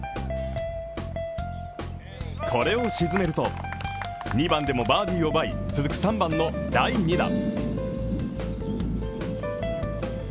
これを沈めると、２番でもバーディーを奪い続く３番の第２打。